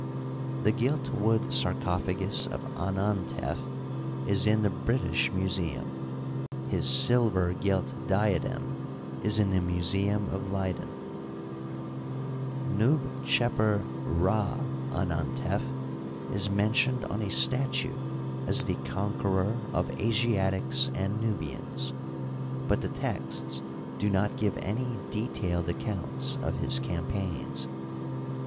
The gilt wood sarcophagus of Anantef is in the British Museum, his silver gilt diadem is in the museum of Leyden. Nub ckeper Rd Anantef is mentioned on a statue as the conqueror of Asiatics and Nubians, but the Digitized byCjOOQlC THE MIDDLE EMPIRE, 49 texts do not give any detailed accounts of his campaigns.